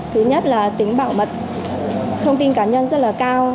thứ nhất là tính bảo mật thông tin cá nhân rất là cao